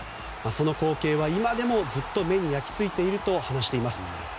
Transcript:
その光景は今でもずっと目に焼き付いていると話します。